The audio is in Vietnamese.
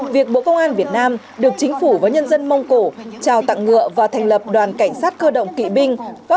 việc bộ công an việt nam được chính phủ và nhân dân mông cổ trào tặng ngựa và thành lập đoàn cảnh sát cơ động kỵ binh